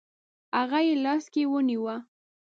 هغه یې لاس کې ونیوه.